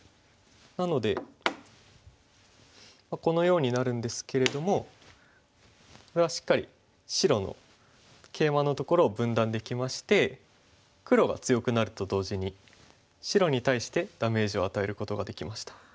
なのでこのようになるんですけれどもこれはしっかり白のケイマのところを分断できまして黒が強くなると同時に白に対してダメージを与えることができました。